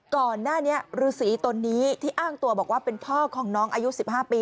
ก่อนหน้านี้ฤษีตนนี้ที่อ้างตัวบอกว่าเป็นพ่อของน้องอายุ๑๕ปี